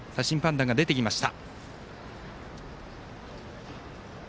審判団が出てきました。